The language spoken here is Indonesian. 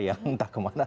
yang entah kemana